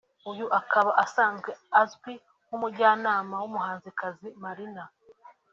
uyu akaba asanzwe azwi nk’umujyanama w’umuhanzikazi Marina